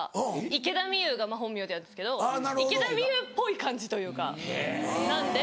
池田美優が本名ではあるんですけど池田美優っぽい感じというかなんで。